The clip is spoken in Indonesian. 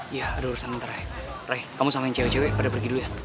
iya ada urusan bentar ray ray kamu sama yang cewek cewek pada pergi dulu ya